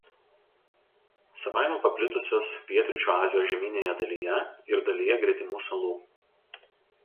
Savaime paplitusios Pietryčių Azijos žemyninėje dalyje ir dalyje gretimų salų.